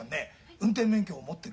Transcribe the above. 運転免許持ってる？